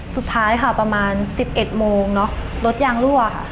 สุดท้ายค่ะประมาณ๑๑โมงเนอะรถยางรั่วค่ะ